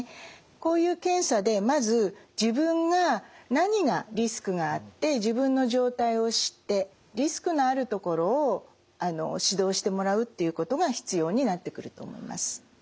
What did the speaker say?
こういう検査でまず自分が何がリスクがあって自分の状態を知ってリスクのあるところを指導してもらうっていうことが必要になってくると思います。